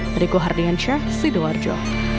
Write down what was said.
berikut harian syah sidoarjo